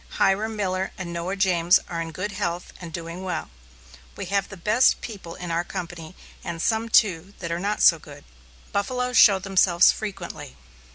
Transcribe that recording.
Hiram Miller and Noah James are in good health and doing well. We have of the best people in our company, and some, too, that are not so good. Buffaloes show themselves frequently.